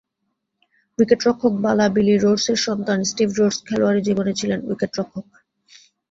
উইকেটরক্ষক বাবা বিলি রোডসের সন্তান স্টিভ রোডস খেলোয়াড়ি জীবনে ছিলেন উইকেটরক্ষক।